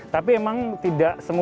tapi emang tidak sepenuhnya